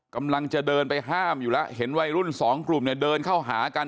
กำลังจะเดินไปห้ามอยู่แล้วเห็นวัยรุ่นสองกลุ่มเนี่ยเดินเข้าหากัน